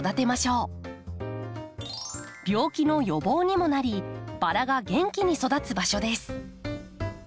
病気の予防にもなりバラが元気に育つ場所です。